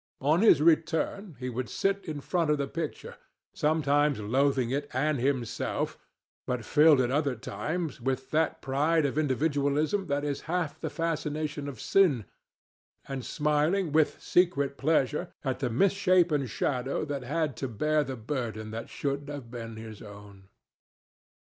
On his return he would sit in front of the picture, sometimes loathing it and himself, but filled, at other times, with that pride of individualism that is half the fascination of sin, and smiling with secret pleasure at the misshapen shadow that had to bear the burden that should have been his own.